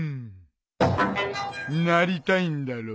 なりたいんだろ？